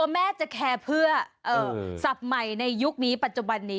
ผมแอบแซวไปว่าดูวอลเลบอลมา